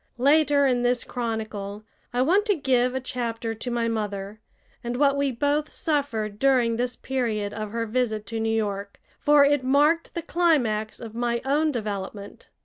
Later in this chronicle I want to give a chapter to my mother and what we both suffered during this period of her visit to New York, for it marked the climax of my own development.